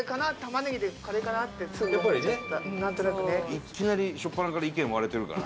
いきなりしょっぱなから意見割れてるから。